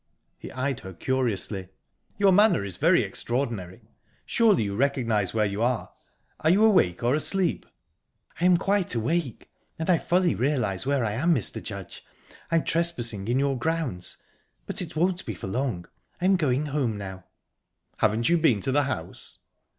He eyed her curiously. "Your manner is very extraordinary. Surely you recognise where you are? Are you awake or asleep?" "I'm quite awake and I fully realise where I am, Mr. Judge. I'm trespassing in your grounds but it won't be for long. I'm going home now." "Haven't you been to the house?"